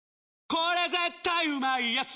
これ絶対うまいやつ」